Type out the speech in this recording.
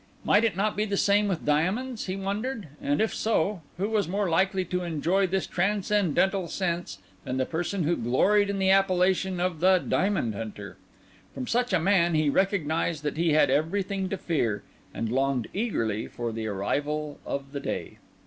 Might it not be the same with diamonds? he wondered; and if so, who was more likely to enjoy this transcendental sense than the person who gloried in the appellation of the Diamond Hunter? From such a man he recognised that he had everything to fear, and longed eagerly for the arrival of the day.